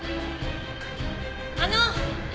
あの！